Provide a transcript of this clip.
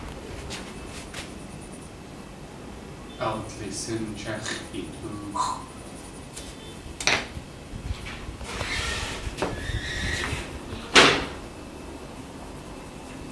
Awdlisín chéx̲ʼi tóoxʼ.